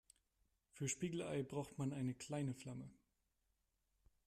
Für Spiegelei braucht man eine kleine Flamme.